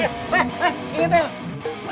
hei ini teng